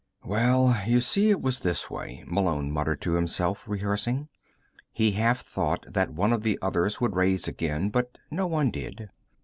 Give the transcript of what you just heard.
"Well, you see, it was this way," Malone muttered to himself, rehearsing. He half thought that one of the others would raise again, but no one did.